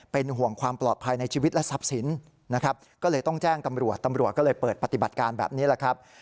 เป็นห่วงความปลอดภัยในชีวิตและทรัพย์สินนะครับก็เลยต้องแจ้งตำรวจตำรวจก็เลยเปิดปฏิบัติการแบบนี้แหละครับ